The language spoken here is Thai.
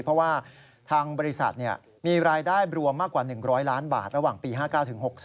เพราะว่าทางบริษัทมีรายได้รวมมากกว่า๑๐๐ล้านบาทระหว่างปี๕๙ถึง๖๒